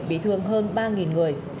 bị thương hơn ba người